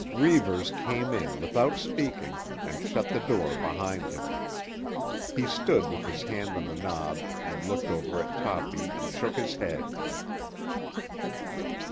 Reivers came in without speaking and shut the door behind him. He stood with his hand on the knob and looked over at Toppy and shook his head.